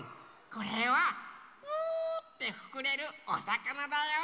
これはプーってふくれるおさかなだよ。